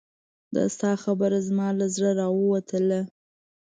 د تا خبره زما له زړه راووتله